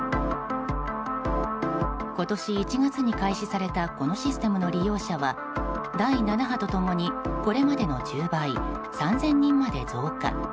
今年１月に開始されたこのシステムの利用者は第７波と共にこれまでの１０倍３０００人まで増加。